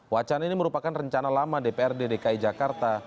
wacana ini merupakan rencana lama dprd dki jakarta